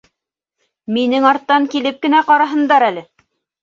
Минең арттан килеп кенә ҡараһындар әле!